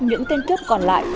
những tên cướp còn lại